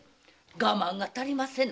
我慢が足りませぬ！